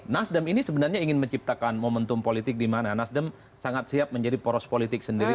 nasdem ini sebenarnya ingin menciptakan momentum politik di mana nasdem sangat siap menjadi poros politik sendiri